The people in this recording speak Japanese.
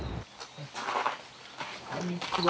こんにちは。